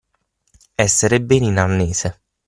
Essere bene in arnese.